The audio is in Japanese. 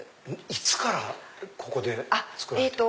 いつからここで作られてるんですか？